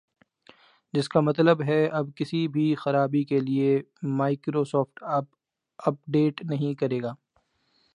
جس کا مطلب ہے اب کسی بھی خرابی کے لئے مائیکروسافٹ اپ ڈیٹ نہیں کرے گا